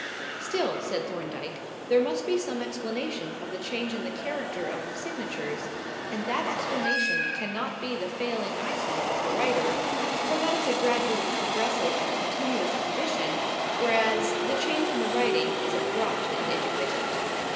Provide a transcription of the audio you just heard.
"Still," said Thorndyke, "there must be some explanation of the change in the character of the signatures, and that explanation cannot be the failing eyesight of the writer; for that is a gradually progressive and continuous condition, whereas the change in the writing is abrupt and intermittent."